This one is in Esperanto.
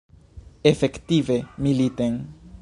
Efektive militen.